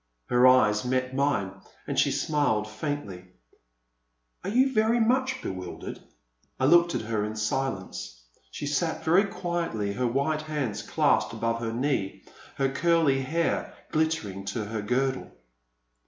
Her eyes met mine and she smiled faintly. Are you very much bewildered ?" I looked at her in silence. She sat very quietly, her white hands clasped above her knee, her curly hair glittering to her girdle.